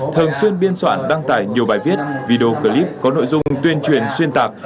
thường xuyên biên soạn đăng tải nhiều bài viết video clip có nội dung tuyên truyền xuyên tạc